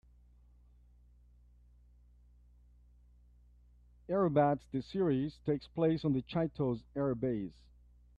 Airbats, the series takes place on the Chitose Air Base.